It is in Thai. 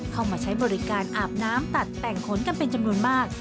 เข้ามาใช้บริการอาบน้ำตัดแต่งขนกันเป็นจำนวนมาก